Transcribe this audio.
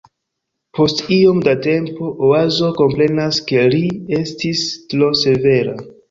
Post iom da tempo Oazo komprenas ke ri estis tro severa.